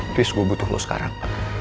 terus gue butuh lo sekarang